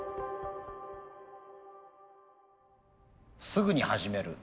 すぐに始める。